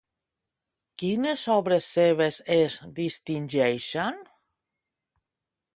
Quines obres seves es distingeixen?